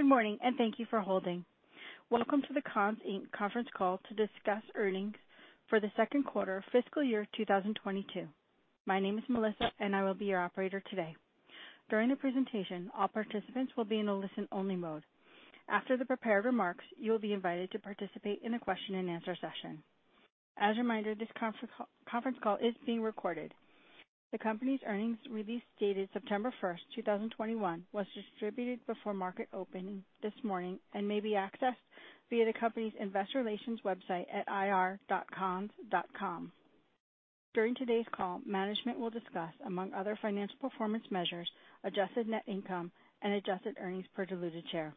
Good morning and thank you for holding. Welcome to the Conn's, Inc. conference call to discuss earnings for the second quarter of fiscal year 2022. My name is Melissa, and I will be your operator today. During the presentation, all participants will be in a listen-only mode. After the prepared remarks, you will be invited to participate in a question and answer session. As a reminder, this conference call is being recorded. The company's earnings release dated September 1st, 2021, was distributed before market opening this morning and may be accessed via the company's investor relations website at ir.conns.com. During today's call, management will discuss, among other financial performance measures, adjusted net income and adjusted earnings per diluted share.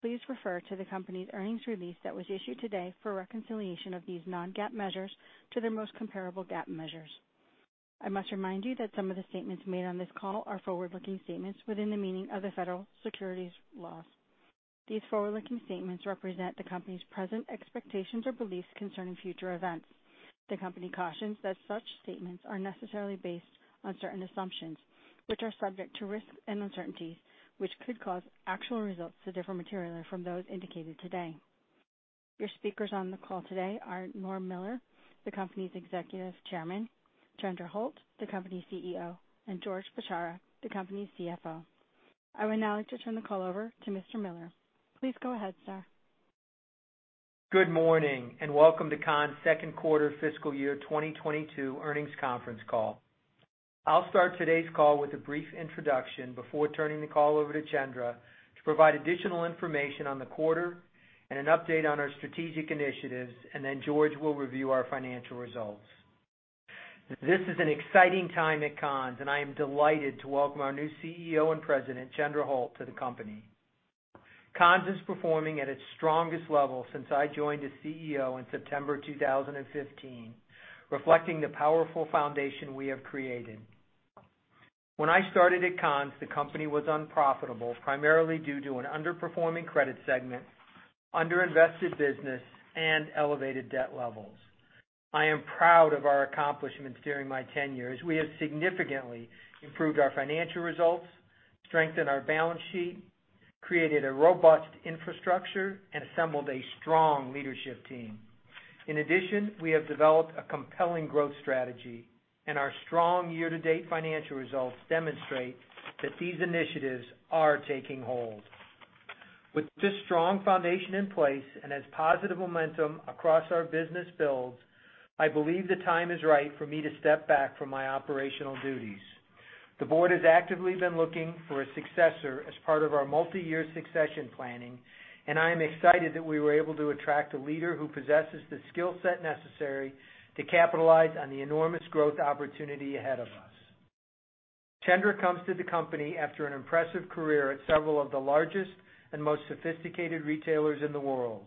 Please refer to the company's earnings release that was issued today for a reconciliation of these non-GAAP measures to their most comparable GAAP measures. I must remind you that some of the statements made on this call are forward-looking statements within the meaning of the federal securities laws. These forward-looking statements represent the company's present expectations or beliefs concerning future events. The company cautions that such statements are necessarily based on certain assumptions, which are subject to risks and uncertainties, which could cause actual results to differ materially from those indicated today. Your speakers on the call today are Norm Miller, the company's Executive Chairman, Chandra Holt, the company's CEO, and George Bchara, the company's CFO. I would now like to turn the call over to Mr. Miller. Please go ahead, sir. Good morning, welcome to Conn's second quarter fiscal year 2022 earnings conference call. I'll start today's call with a brief introduction before turning the call over to Chandra to provide additional information on the quarter and an update on our strategic initiatives, then George will review our financial results. This is an exciting time at Conn's, I am delighted to welcome our new CEO and President, Chandra Holt, to the company. Conn's is performing at its strongest level since I joined as CEO in September 2015, reflecting the powerful foundation we have created. When I started at Conn's, the company was unprofitable, primarily due to an underperforming credit segment, under-invested business, and elevated debt levels. I am proud of our accomplishments during my tenure, as we have significantly improved our financial results, strengthened our balance sheet, created a robust infrastructure, and assembled a strong leadership team. In addition, we have developed a compelling growth strategy, and our strong year-to-date financial results demonstrate that these initiatives are taking hold. With this strong foundation in place and as positive momentum across our business builds, I believe the time is right for me to step back from my operational duties. The board has actively been looking for a successor as part of our multi-year succession planning, and I am excited that we were able to attract a leader who possesses the skill set necessary to capitalize on the enormous growth opportunity ahead of us. Chandra comes to the company after an impressive career at several of the largest and most sophisticated retailers in the world.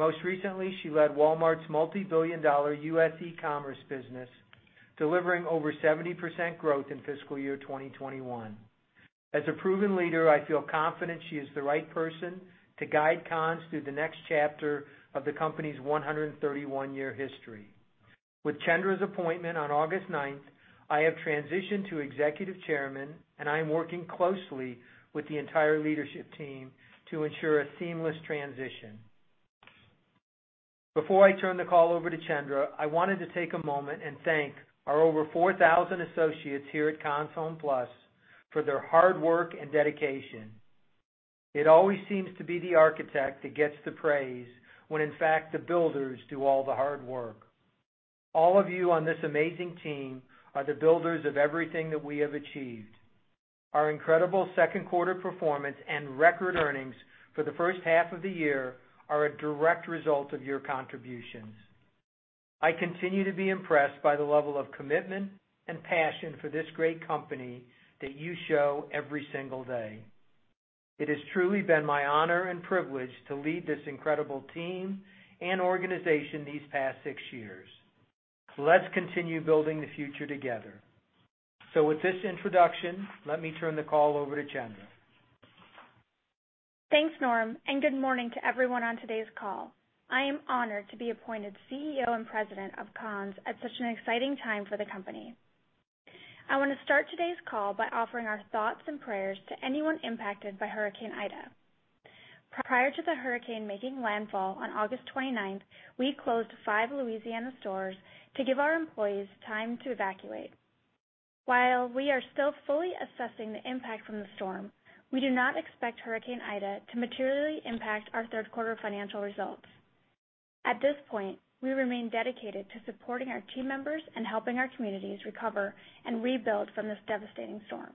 Most recently, she led Walmart's multi-billion-dollar U.S. e-commerce business, delivering over 70% growth in fiscal year 2021. As a proven leader, I feel confident she is the right person to guide Conn's through the next chapter of the company's 131-year history. With Chandra's appointment on August 9th, I have transitioned to Executive Chairman, and I am working closely with the entire leadership team to ensure a seamless transition. Before I turn the call over to Chandra, I wanted to take a moment and thank our over 4,000 associates here at Conn's HomePlus for their hard work and dedication. It always seems to be the architect that gets the praise when in fact, the builders do all the hard work. All of you on this amazing team are the builders of everything that we have achieved. Our incredible second quarter performance and record earnings for the first half of the year are a direct result of your contributions. I continue to be impressed by the level of commitment and passion for this great company that you show every single day. It has truly been my honor and privilege to lead this incredible team and organization these past six years. Let's continue building the future together. With this introduction, let me turn the call over to Chandra. Thanks, Norm, and good morning to everyone on today's call. I am honored to be appointed CEO and President of Conn's at such an exciting time for the company. I want to start today's call by offering our thoughts and prayers to anyone impacted by Hurricane Ida. Prior to the hurricane making landfall on August 29th, we closed five Louisiana stores to give our employees time to evacuate. While we are still fully assessing the impact from the storm, we do not expect Hurricane Ida to materially impact our third-quarter financial results. At this point, we remain dedicated to supporting our team members and helping our communities recover and rebuild from this devastating storm.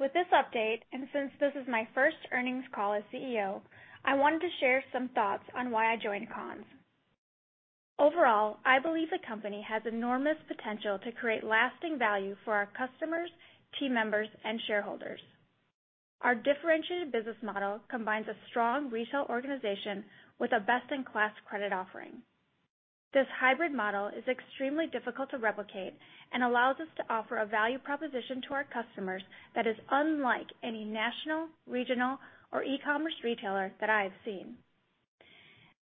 With this update, and since this is my first earnings call as CEO, I wanted to share some thoughts on why I joined Conn's. Overall, I believe the company has enormous potential to create lasting value for our customers, team members, and shareholders. Our differentiated business model combines a strong retail organization with a best-in-class credit offering. This hybrid model is extremely difficult to replicate and allows us to offer a value proposition to our customers that is unlike any national, regional, or e-commerce retailer that I have seen.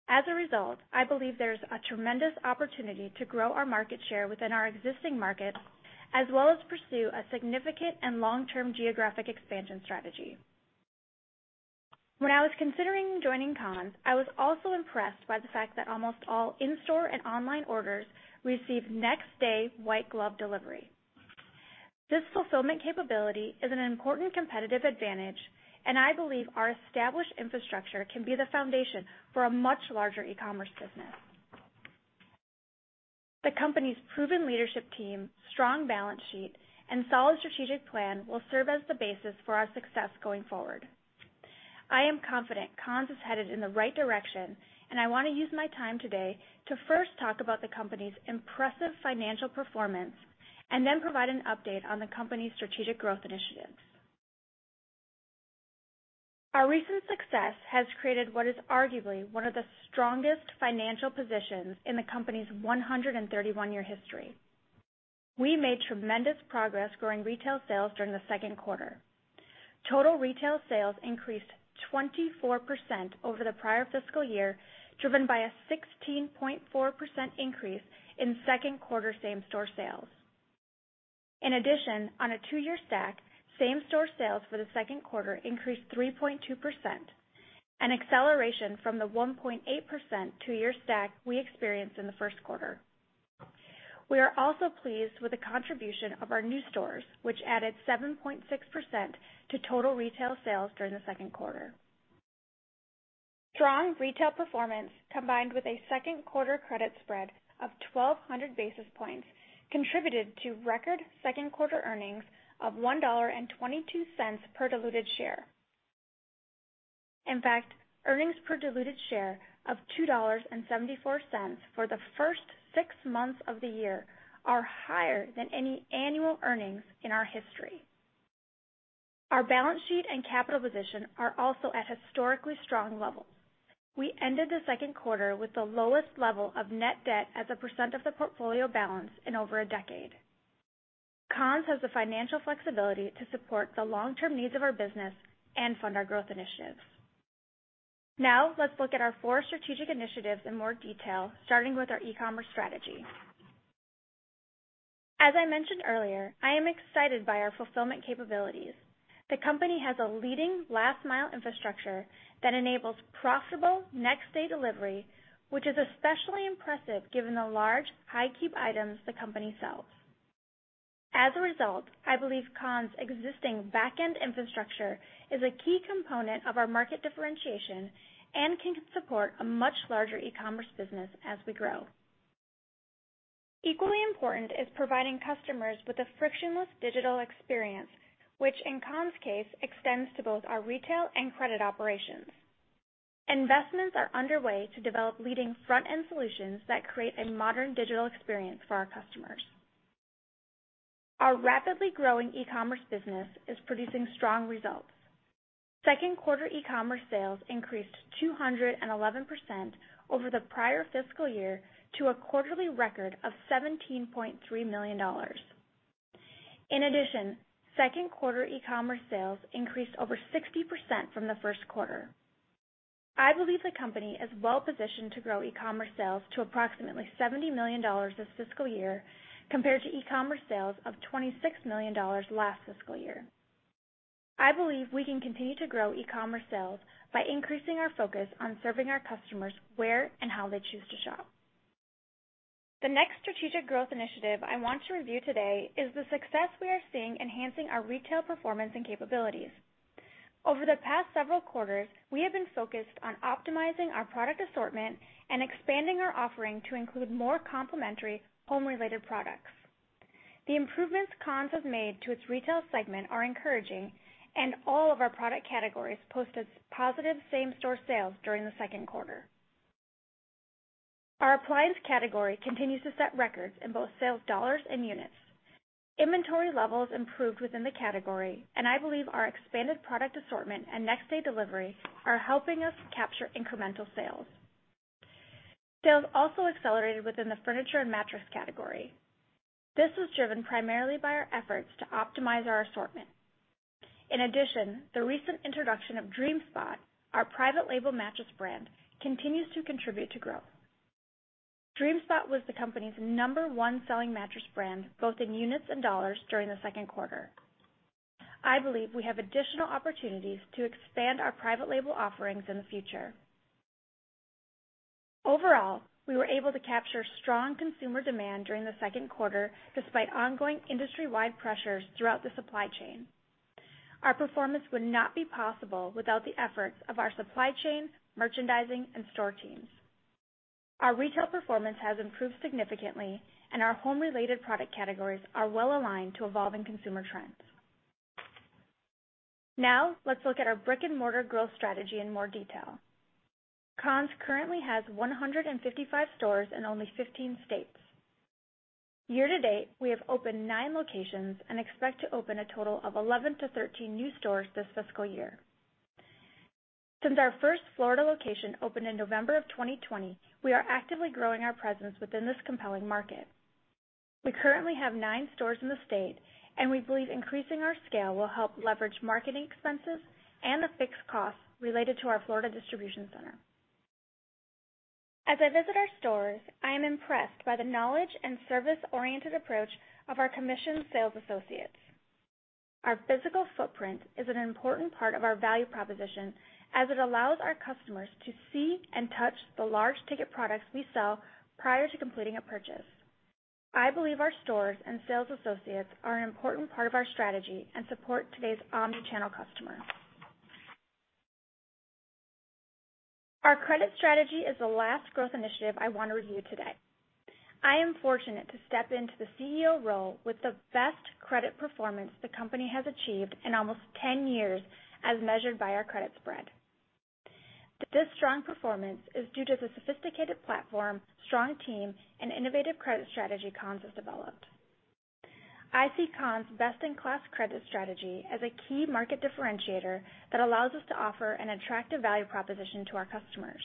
As a result, I believe there's a tremendous opportunity to grow our market share within our existing markets, as well as pursue a significant and long-term geographic expansion strategy. When I was considering joining Conn's, I was also impressed by the fact that almost all in-store and online orders receive next-day white glove delivery. This fulfillment capability is an important competitive advantage, and I believe our established infrastructure can be the foundation for a much larger e-commerce business. The company's proven leadership team, strong balance sheet, and solid strategic plan will serve as the basis for our success going forward. I am confident Conn's is headed in the right direction, and I want to use my time today to first talk about the company's impressive financial performance and then provide an update on the company's strategic growth initiatives. Our recent success has created what is arguably one of the strongest financial positions in the company's 131-year history. We made tremendous progress growing retail sales during the second quarter. Total retail sales increased 24% over the prior fiscal year, driven by a 16.4% increase in second quarter same-store sales. In addition, on a two-year stack, same-store sales for the second quarter increased 3.2%, an acceleration from the 1.8% two-year stack we experienced in the first quarter. We are also pleased with the contribution of our new stores, which added 7.6% to total retail sales during the second quarter. Strong retail performance, combined with a second quarter credit spread of 1,200 basis points, contributed to record second-quarter earnings of $1.22 per diluted share. In fact, earnings per diluted share of $2.74 for the first six months of the year are higher than any annual earnings in our history. Our balance sheet and capital position are also at historically strong levels. We ended the second quarter with the lowest level of net debt as a percent of the portfolio balance in over a decade. Conn's has the financial flexibility to support the long-term needs of our business and fund our growth initiatives. Now, let's look at our four strategic initiatives in more detail, starting with our e-commerce strategy. As I mentioned earlier, I am excited by our fulfillment capabilities. The company has a leading last-mile infrastructure that enables profitable next-day delivery, which is especially impressive given the large, high-ticket items the company sells. As a result, I believe Conn's existing back-end infrastructure is a key component of our market differentiation and can support a much larger e-commerce business as we grow. Equally important is providing customers with a frictionless digital experience, which in Conn's case extends to both our retail and credit operations. Investments are underway to develop leading front-end solutions that create a modern digital experience for our customers. Our rapidly growing e-commerce business is producing strong results. Second quarter e-commerce sales increased 211% over the prior fiscal year to a quarterly record of $17.3 million. In addition, second quarter e-commerce sales increased over 60% from the first quarter. I believe the company is well-positioned to grow e-commerce sales to approximately $70 million this fiscal year compared to e-commerce sales of $26 million last fiscal year. I believe we can continue to grow e-commerce sales by increasing our focus on serving our customers where and how they choose to shop. The next strategic growth initiative I want to review today is the success we are seeing enhancing our retail performance and capabilities. Over the past several quarters, we have been focused on optimizing our product assortment and expanding our offering to include more complementary home-related products. The improvements Conn's has made to its retail segment are encouraging, and all of our product categories posted positive same-store sales during the second quarter. Our appliance category continues to set records in both sales dollars and units. Inventory levels improved within the category, and I believe our expanded product assortment and next-day delivery are helping us capture incremental sales. Sales also accelerated within the furniture and mattress category. This was driven primarily by our efforts to optimize our assortment. In addition, the recent introduction of DreamSpot, our private label mattress brand, continues to contribute to growth. Dreamspot was the company's number one selling mattress brand, both in units and dollars during the second quarter. I believe we have additional opportunities to expand our private label offerings in the future. Overall, we were able to capture strong consumer demand during the second quarter, despite ongoing industry-wide pressures throughout the supply chain. Our performance would not be possible without the efforts of our supply chain, merchandising, and store teams. Our retail performance has improved significantly, and our home-related product categories are well-aligned to evolving consumer trends. Let's look at our brick-and-mortar growth strategy in more detail. Conn's currently has 155 stores in only 15 states. Year to date, we have opened nine locations and expect to open a total of 11 to 13 new stores this fiscal year. Since our first Florida location opened in November of 2020, we are actively growing our presence within this compelling market. We currently have nine stores in the state, and we believe increasing our scale will help leverage marketing expenses and the fixed costs related to our Florida distribution center. As I visit our stores, I am impressed by the knowledge and service-oriented approach of our commissioned sales associates. Our physical footprint is an important part of our value proposition as it allows our customers to see and touch the high-ticket products we sell prior to completing a purchase. I believe our stores and sales associates are an important part of our strategy and support today's omni-channel customer. Our credit strategy is the last growth initiative I want to review today. I am fortunate to step into the CEO role with the best credit performance the company has achieved in almost 10 years, as measured by our credit spread. This strong performance is due to the sophisticated platform, strong team, and innovative credit strategy Conn's has developed. I see Conn's best-in-class credit strategy as a key market differentiator that allows us to offer an attractive value proposition to our customers.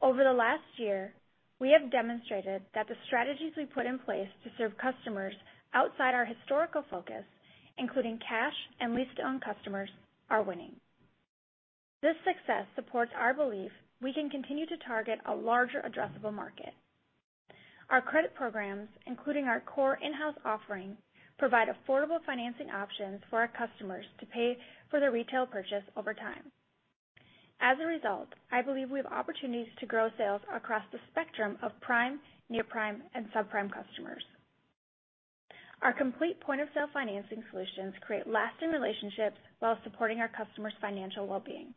Over the last year, we have demonstrated that the strategies we put in place to serve customers outside our historical focus, including cash and lease-to-own customers, are winning. This success supports our belief we can continue to target a larger addressable market. Our credit programs, including our core in-house offering, provide affordable financing options for our customers to pay for their retail purchase over time. As a result, I believe we have opportunities to grow sales across the spectrum of prime, near prime, and subprime customers. Our complete point-of-sale financing solutions create lasting relationships while supporting our customers' financial well-being.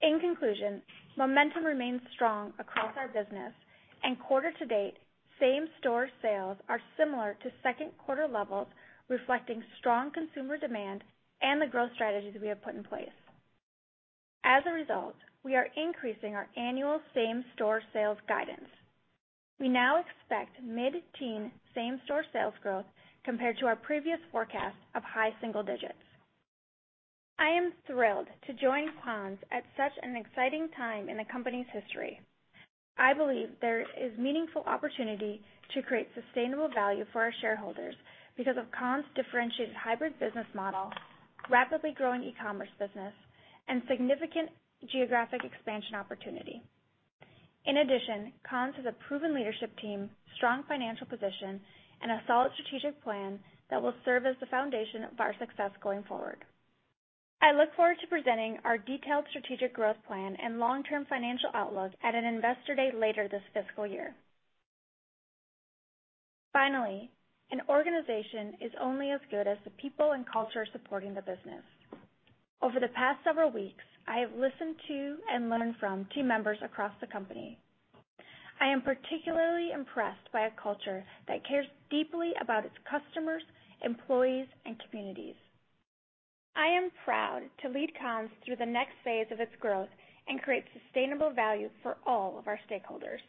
In conclusion, momentum remains strong across our business and quarter to date, same store sales are similar to second quarter levels, reflecting strong consumer demand and the growth strategies we have put in place. As a result, we are increasing our annual same store sales guidance. We now expect mid-teen same store sales growth compared to our previous forecast of high single digits. I am thrilled to join Conn's at such an exciting time in the company's history. I believe there is meaningful opportunity to create sustainable value for our shareholders because of Conn's differentiated hybrid business model, rapidly growing e-commerce business, and significant geographic expansion opportunity. In addition, Conn's has a proven leadership team, strong financial position, and a solid strategic plan that will serve as the foundation of our success going forward. I look forward to presenting our detailed strategic growth plan and long-term financial outlook at an investor day later this fiscal year. Finally, an organization is only as good as the people and culture supporting the business. Over the past several weeks, I have listened to and learned from team members across the company. I am particularly impressed by a culture that cares deeply about its customers, employees, and communities. I am proud to lead Conn's through the next phase of its growth and create sustainable value for all of our stakeholders.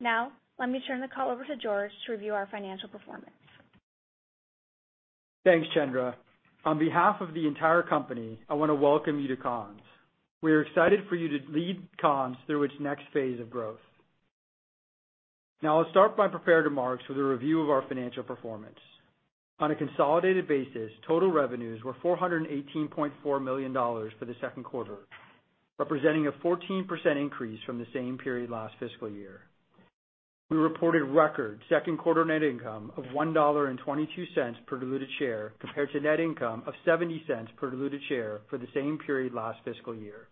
Now, let me turn the call over to George to review our financial performance. Thanks, Chandra. On behalf of the entire company, I want to welcome you to Conn's. We are excited for you to lead Conn's through its next phase of growth. I'll start my prepared remarks with a review of our financial performance. On a consolidated basis, total revenues were $418.4 million for the second quarter, representing a 14% increase from the same period last fiscal year. We reported record second quarter net income of $1.22 per diluted share, compared to net income of $0.70 per diluted share for the same period last fiscal year.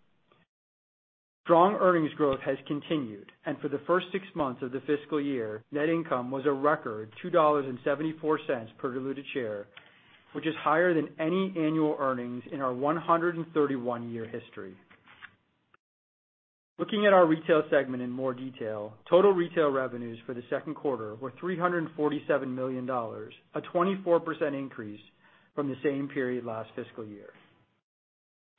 Strong earnings growth has continued, for the first six months of the fiscal year, net income was a record $2.74 per diluted share, which is higher than any annual earnings in our 131-year history. Looking at our retail segment in more detail, total retail revenues for the second quarter were $347 million, a 24% increase from the same period last fiscal year.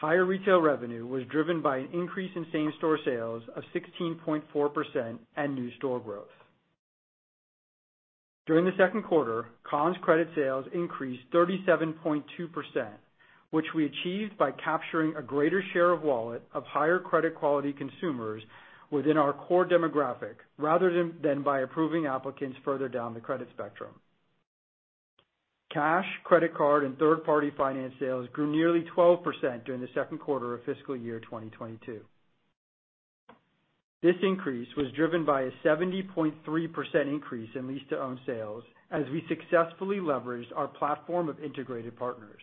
Higher retail revenue was driven by an increase in same store sales of 16.4% and new store growth. During the second quarter, Conn's credit sales increased 37.2%, which we achieved by capturing a greater share of wallet of higher credit quality consumers within our core demographic, rather than by approving applicants further down the credit spectrum. Cash, credit card, and third-party finance sales grew nearly 12% during the second quarter of fiscal year 2022. This increase was driven by a 70.3% increase in lease-to-own sales as we successfully leveraged our platform of integrated partners.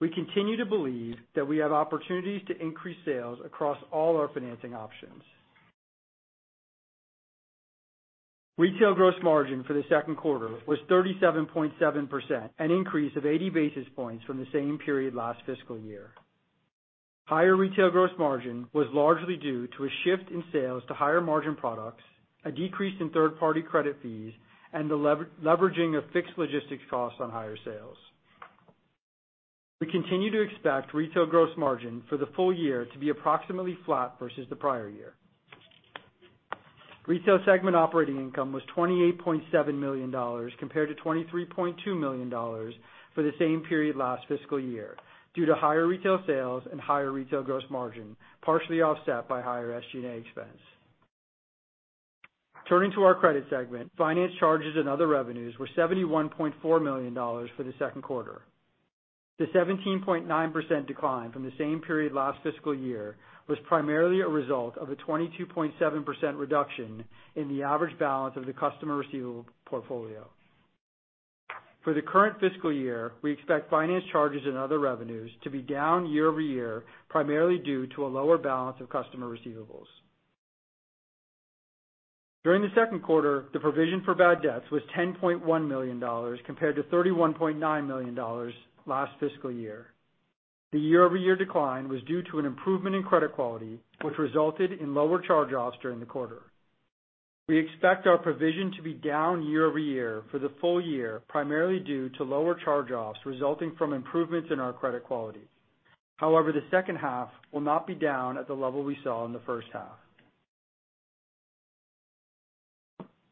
We continue to believe that we have opportunities to increase sales across all our financing options. Retail gross margin for the second quarter was 37.7%, an increase of 80 basis points from the same period last fiscal year. Higher retail gross margin was largely due to a shift in sales to higher margin products, a decrease in third-party credit fees, and the leveraging of fixed logistics costs on higher sales. We continue to expect retail gross margin for the full year to be approximately flat versus the prior year. Retail segment operating income was $28.7 million compared to $23.2 million for the same period last fiscal year, due to higher retail sales and higher retail gross margin, partially offset by higher SG&A expense. Turning to our credit segment, finance charges and other revenues were $71.4 million for the second quarter. The 17.9% decline from the same period last fiscal year was primarily a result of a 22.7% reduction in the average balance of the customer receivable portfolio. For the current fiscal year, we expect finance charges and other revenues to be down year-over-year, primarily due to a lower balance of customer receivables. During the second quarter, the provision for bad debts was $10.1 million compared to $31.9 million last fiscal year. The year-over-year decline was due to an improvement in credit quality, which resulted in lower charge-offs during the quarter. We expect our provision to be down year-over-year for the full year, primarily due to lower charge-offs resulting from improvements in our credit quality. However, the second half will not be down at the level we saw in the first half.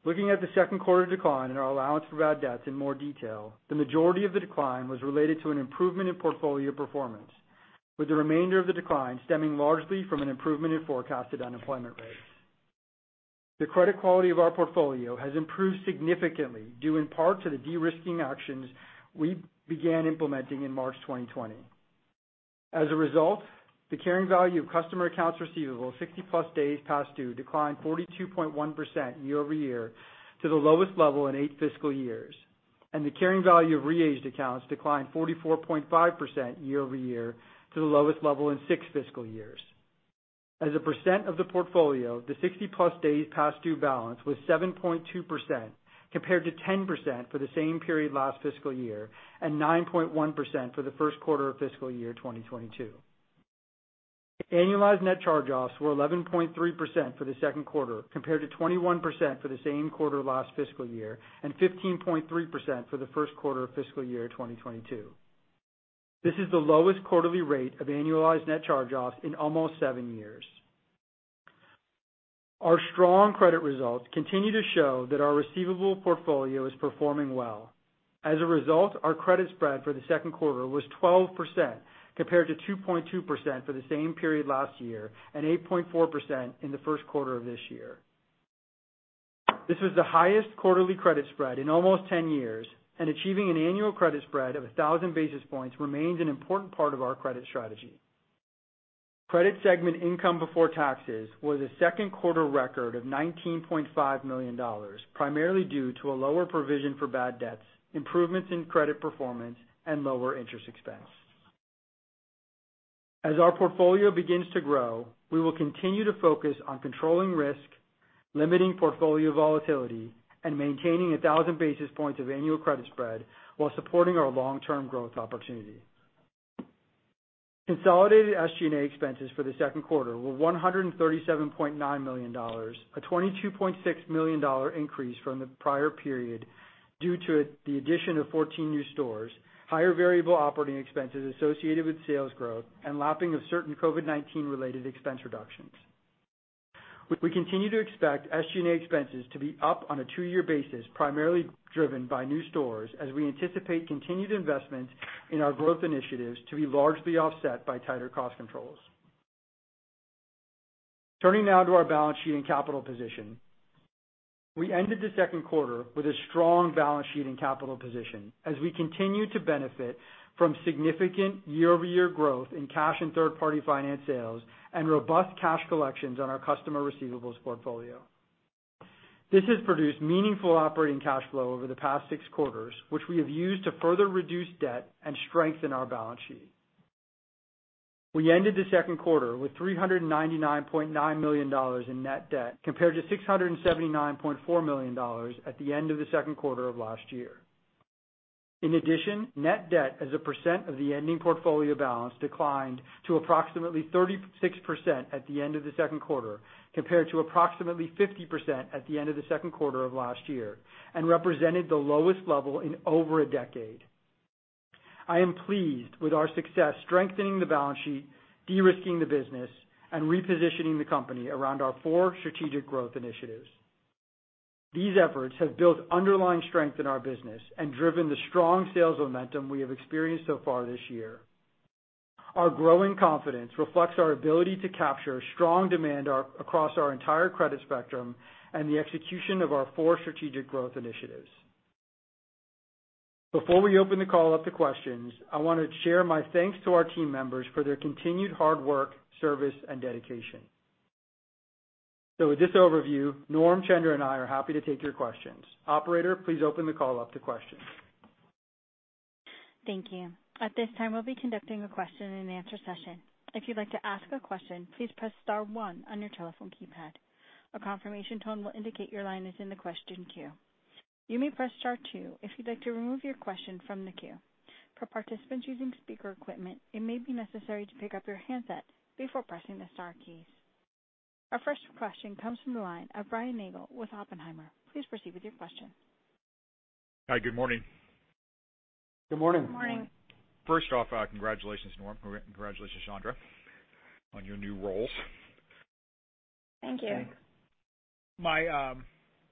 Looking at the second quarter decline in our allowance for bad debts in more detail, the majority of the decline was related to an improvement in portfolio performance, with the remainder of the decline stemming largely from an improvement in forecasted unemployment rates. The credit quality of our portfolio has improved significantly, due in part to the de-risking actions we began implementing in March 2020. As a result, the carrying value of customer accounts receivable 60-plus days past due declined 42.1% year-over-year to the lowest level in eight fiscal years. The carrying value of re-aged accounts declined 44.5% year-over-year to the lowest level in six fiscal years. As a percent of the portfolio, the 60-plus days past due balance was 7.2%, compared to 10% for the same period last fiscal year and 9.1% for the first quarter of fiscal year 2022. Annualized net charge-offs were 11.3% for the second quarter, compared to 21% for the same quarter last fiscal year and 15.3% for the first quarter of fiscal year 2022. This is the lowest quarterly rate of annualized net charge-offs in almost 7 years. Our strong credit results continue to show that our receivable portfolio is performing well. As a result, our credit spread for the second quarter was 12%, compared to 2.2% for the same period last year and 8.4% in the first quarter of this year. This was the highest quarterly credit spread in almost 10 years, and achieving an annual credit spread of 1,000 basis points remains an important part of our credit strategy. Credit segment income before taxes was a second quarter record of $19.5 million, primarily due to a lower provision for bad debts, improvements in credit performance, and lower interest expense. As our portfolio begins to grow, we will continue to focus on controlling risk, limiting portfolio volatility, and maintaining 1,000 basis points of annual credit spread while supporting our long-term growth opportunity. Consolidated SG&A expenses for the second quarter were $137.9 million, a $22.6 million increase from the prior period due to the addition of 14 new stores, higher variable operating expenses associated with sales growth, and lapping of certain COVID-19 related expense reductions. We continue to expect SG&A expenses to be up on a two-year basis, primarily driven by new stores as we anticipate continued investments in our growth initiatives to be largely offset by tighter cost controls. Turning now to our balance sheet and capital position. We ended the second quarter with a strong balance sheet and capital position as we continue to benefit from significant year-over-year growth in cash and third-party finance sales and robust cash collections on our customer receivables portfolio. This has produced meaningful operating cash flow over the past six quarters, which we have used to further reduce debt and strengthen our balance sheet. We ended the second quarter with $399.9 million in net debt, compared to $679.4 million at the end of the second quarter of last year. In addition, net debt as a percent of the ending portfolio balance declined to approximately 36% at the end of the second quarter, compared to approximately 50% at the end of the second quarter of last year and represented the lowest level in over a decade. I am pleased with our success strengthening the balance sheet, de-risking the business, and repositioning the company around our four strategic growth initiatives. These efforts have built underlying strength in our business and driven the strong sales momentum we have experienced so far this year. Our growing confidence reflects our ability to capture strong demand across our entire credit spectrum and the execution of our four strategic growth initiatives. Before we open the call up to questions, I want to share my thanks to our team members for their continued hard work, service, and dedication. With this overview, Norm, Chandra, and I are happy to take your questions. Operator, please open the call up to questions. Thank you. At this time, we'll be conducting a question and answer session. If you'd like to ask a question, please press star one on your telephone keypad. A confirmation tone will indicate your line is in the question queue. You may press star two if you'd like to remove your question from the queue. For participants using speaker equipment, it may be necessary to pick up your handset before pressing the star keys. Our first question comes from the line of Brian Nagel with Oppenheimer. Please proceed with your question. Hi, good morning. Good morning. First off, congratulations, Norm. Congratulations, Chandra, on your new roles. Thank you.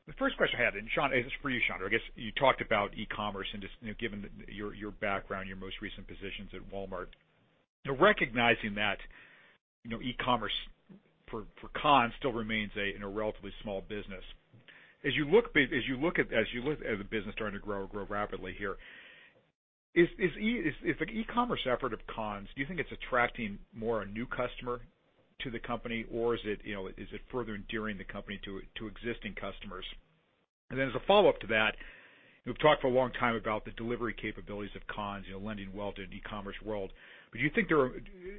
The first question I had, and this is for you, Chandra. I guess you talked about e-commerce and just given your background, your most recent positions at Walmart, recognizing that. E-commerce for Conn's still remains in a relatively small business. As you look at the business starting to grow rapidly here, is the e-commerce effort of Conn's, do you think it's attracting more a new customer to the company, or is it further endearing the company to existing customers? As a follow-up to that, we've talked for a long time about the delivery capabilities of Conn's lending well to an e-commerce world. Do you think there are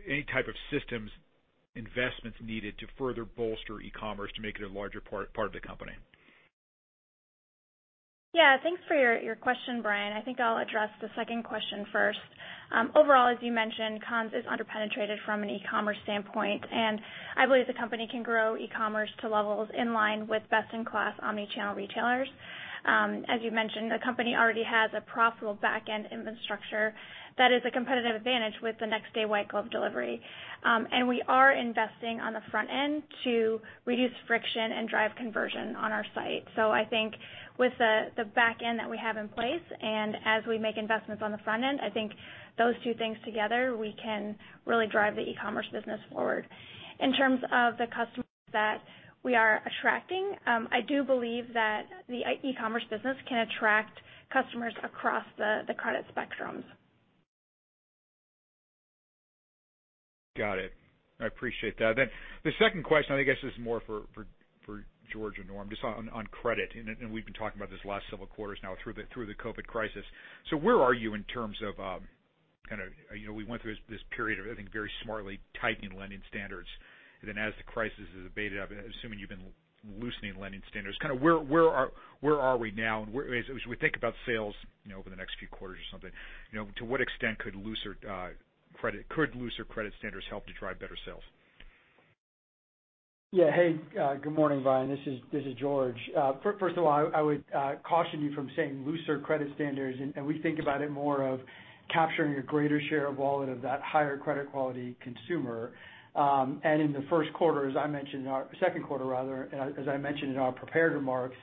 any type of systems investments needed to further bolster e-commerce to make it a larger part of the company? Yeah. Thanks for your question, Brian. I think I'll address the second question first. Overall, as you mentioned, Conn's is under-penetrated from an e-commerce standpoint, I believe the company can grow e-commerce to levels in line with best-in-class omni-channel retailers. As you mentioned, the company already has a profitable back-end infrastructure that is a competitive advantage with the next-day white glove delivery. We are investing on the front end to reduce friction and drive conversion on our site. I think with the back end that we have in place, and as we make investments on the front end, I think those two things together, we can really drive the e-commerce business forward. In terms of the customers that we are attracting, I do believe that the e-commerce business can attract customers across the credit spectrums. Got it. I appreciate that. The second question, I guess, is more for George or Norm, just on credit, and we've been talking about this the last several quarters now through the COVID crisis. Where are you in terms of, we went through this period of, I think, very smartly tightening lending standards. As the crisis has abated, I'm assuming you've been loosening lending standards. Where are we now, and as we think about sales over the next few quarters or something, to what extent could looser credit standards help to drive better sales? Hey, good morning, Brian. This is George. First of all, I would caution you from saying looser credit standards. We think about it more of capturing a greater share of wallet of that higher credit quality consumer. In the second quarter, rather, as I mentioned in our prepared remarks,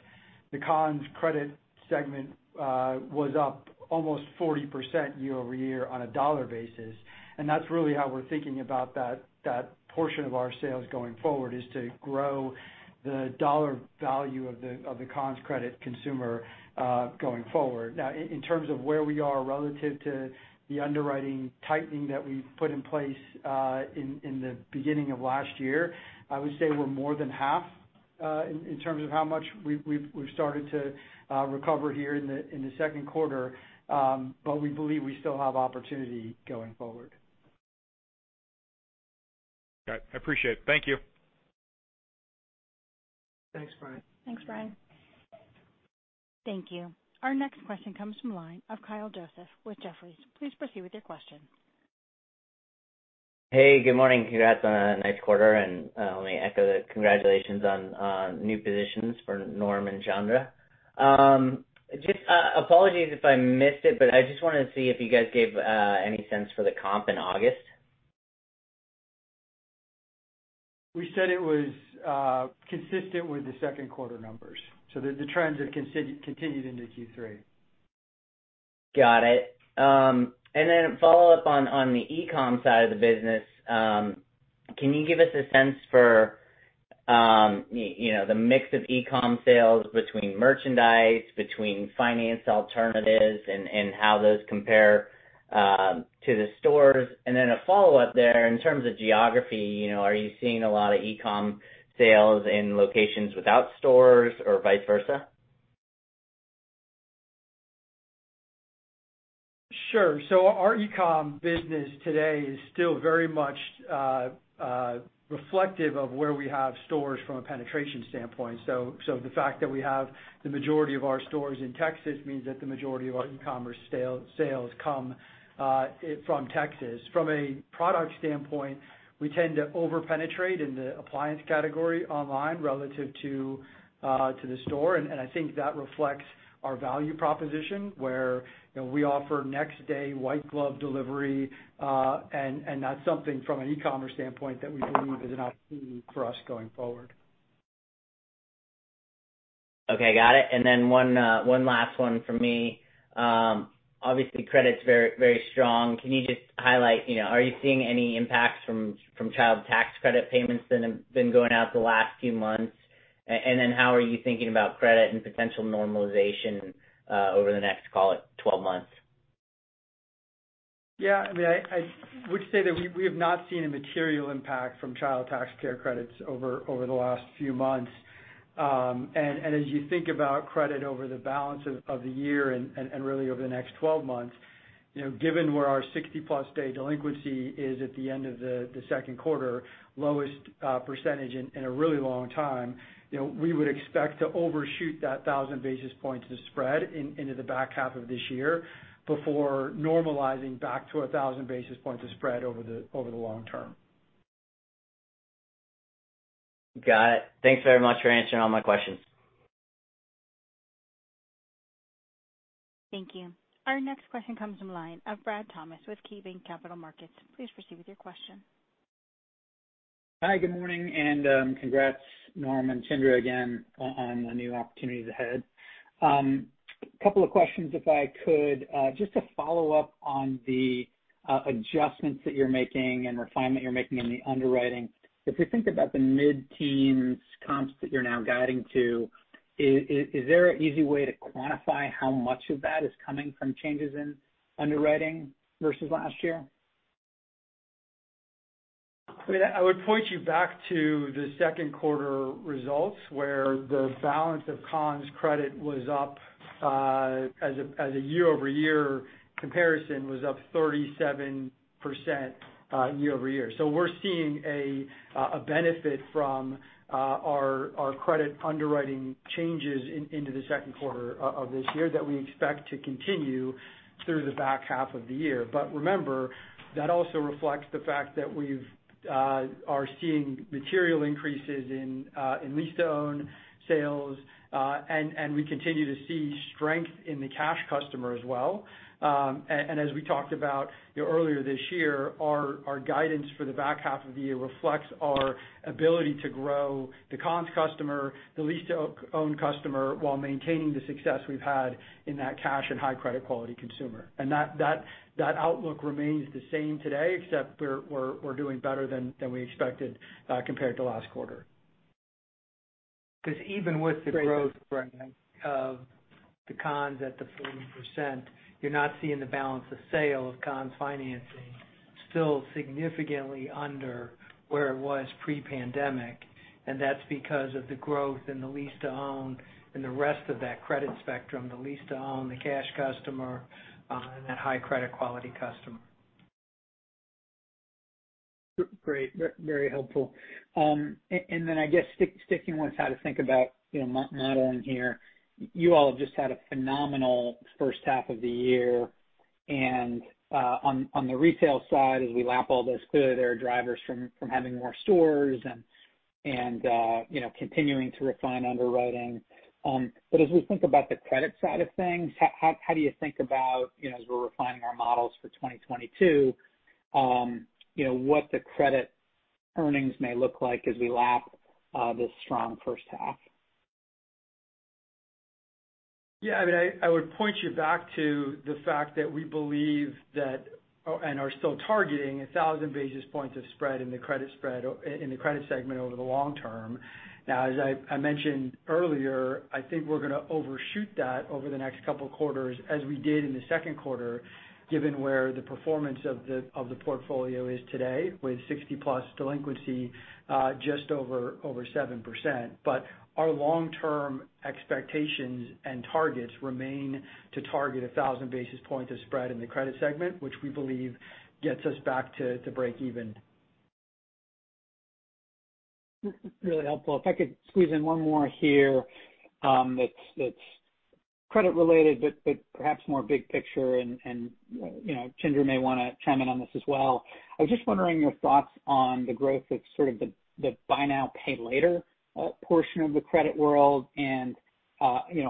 the Conn's credit segment was up almost 40% year-over-year on a dollar basis. That's really how we're thinking about that portion of our sales going forward, is to grow the dollar value of the Conn's credit consumer, going forward. In terms of where we are relative to the underwriting tightening that we put in place in the beginning of last year, I would say we're more than half, in terms of how much we've started to recover here in the second quarter. We believe we still have opportunity going forward. Got it. I appreciate it. Thank you. Thanks, Brian. Thanks, Brian. Thank you. Our next question comes from the line of Kyle Joseph with Jefferies. Please proceed with your question. Hey, good morning. Congrats on a nice quarter and let me echo the congratulations on new positions for Norm and Chandra. Apologies if I missed it, but I just wanted to see if you guys gave any sense for the comp in August. We said it was consistent with the second quarter numbers. The trends have continued into Q3. Got it. Follow-up on the e-comm side of the business. Can you give us a sense for the mix of e-comm sales between merchandise, between finance alternatives, and how those compare to the stores? A follow-up there, in terms of geography, are you seeing a lot of e-comm sales in locations without stores or vice versa? Sure. Our e-comm business today is still very much reflective of where we have stores from a penetration standpoint. The fact that we have the majority of our stores in Texas means that the majority of our e-commerce sales come from Texas. From a product standpoint, we tend to over-penetrate in the appliance category online relative to the store. I think that reflects our value proposition, where we offer next-day white glove delivery. That's something from an e-commerce standpoint that we believe is an opportunity for us going forward. Okay, got it. One last one from me. Obviously, credits very strong. Can you just highlight, are you seeing any impacts from Child Tax Credit payments that have been going out the last few months? How are you thinking about credit and potential normalization over the next, call it, 12 months? Yeah. I would say that we have not seen a material impact from Child Tax Credit over the last few months. As you think about credit over the balance of the year and really over the next 12 months, given where our 60-plus day delinquency is at the end of the second quarter, lowest percentage in a really long time. We would expect to overshoot that 1,000 basis points of spread into the back half of this year before normalizing back to 1,000 basis points of spread over the long term. Got it. Thanks very much for answering all my questions. Thank you. Our next question comes from line of Brad Thomas with KeyBanc Capital Markets. Please proceed with your question. Hi, good morning. Congrats, Norm and Chandra, again on the new opportunities ahead. A couple of questions, if I could. Just to follow up on the adjustments that you're making and refinement you're making in the underwriting. If we think about the mid-teens comps that you're now guiding to, is there an easy way to quantify how much of that is coming from changes in underwriting versus last year? I would point you back to the second quarter results, where the balance of Conn's credit was up, as a year-over-year comparison, was up 37% year-over-year. We're seeing a benefit from our credit underwriting changes into the second quarter of this year that we expect to continue through the back half of the year. Remember, that also reflects the fact that we are seeing material increases in lease-to-own sales, and we continue to see strength in the cash customer as well. As we talked about earlier this year, our guidance for the back half of the year reflects our ability to grow the Conn's customer, the lease-to-own customer, while maintaining the success we've had in that cash and high credit quality consumer. That outlook remains the same today, except we're doing better than we expected compared to last quarter. Even with the growth of the Conn's at the 14%, you're now seeing the balance of sale of Conn's financing still significantly under where it was pre-pandemic. That's because of the growth in the lease-to-own and the rest of that credit spectrum, the lease-to-own, the cash customer, and that high credit quality customer. Great. Very helpful. I guess sticking with how to think about modeling here. You all have just had a phenomenal first half of the year. On the retail side, as we lap all those good air drivers from having more stores and continuing to refine underwriting. As we think about the credit side of things, how do you think about, as we're refining our models for 2022, what the credit earnings may look like as we lap this strong first half? Yeah, I would point you back to the fact that we believe that and are still targeting 1,000 basis points of spread in the credit segment over the long term. As I mentioned earlier, I think we're going to overshoot that over the next couple of quarters as we did in the second quarter, given where the performance of the portfolio is today with 60-plus delinquency, just over 7%. Our long-term expectations and targets remain to target 1,000 basis points of spread in the credit segment, which we believe gets us back to break even. Really helpful. If I could squeeze in one more here that's credit related, but perhaps bigger picture, and Chandra may want to chime in on this as well. I was just wondering your thoughts on the growth of sort of the buy now, pay later portion of the credit world and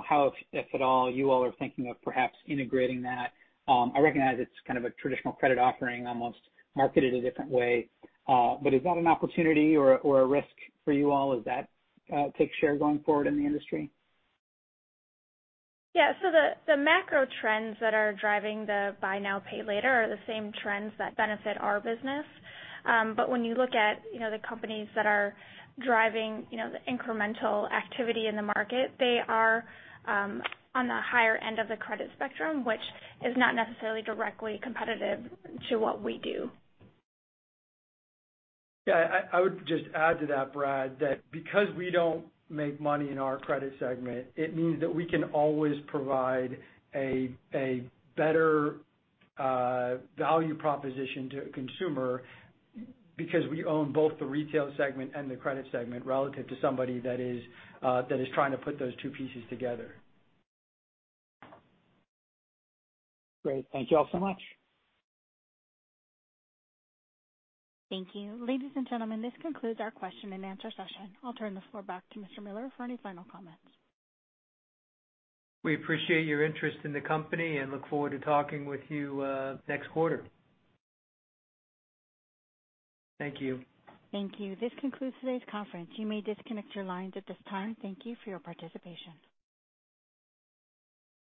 how, if at all, you all are thinking of perhaps integrating that. I recognize it's kind of a traditional credit offering, almost marketed a different way. Is that an opportunity or a risk for you all as that takes share going forward in the industry? The macro trends that are driving the buy now, pay later are the same trends that benefit our business. When you look at the companies that are driving the incremental activity in the market, they are on the higher end of the credit spectrum, which is not necessarily directly competitive to what we do. Yeah. I would just add to that, Brad, that because we don't make money in our credit segment, it means that we can always provide a better value proposition to a consumer because we own both the retail segment and the credit segment relative to somebody that is trying to put those two pieces together. Great. Thank you all so much. Thank you. Ladies and gentlemen, this concludes our question and answer session. I'll turn the floor back to Mr. Miller for any final comments. We appreciate your interest in the company and look forward to talking with you next quarter. Thank you. Thank you. This concludes today's conference. You may disconnect your lines at this time. Thank you for your participation.